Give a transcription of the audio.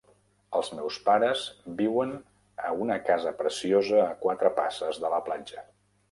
Els meus pares viuen a una casa preciosa a quatre passes de la platja.